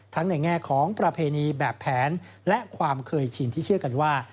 ในแง่ของประเพณีแบบแผนและความเคยชินที่เชื่อกันว่า